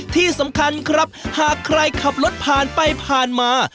ที่สำคัญครับหากใครขับรถผ่านไปผ่านมา